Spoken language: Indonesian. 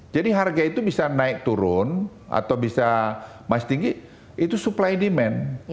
jadi harga itu bisa naik turun atau bisa masih tinggi itu supply demand